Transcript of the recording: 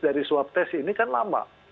dari swab test ini kan lama